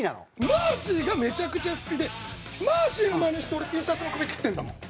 マーシーがめちゃくちゃ好きでマーシーのマネして俺Ｔシャツの首切ってるんだもん。